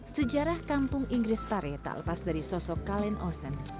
sejarah kampung inggris pare tak lepas dari sosok kalen osen